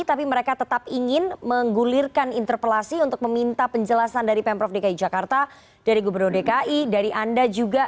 tapi mereka tetap ingin menggulirkan interpelasi untuk meminta penjelasan dari pemprov dki jakarta dari gubernur dki dari anda juga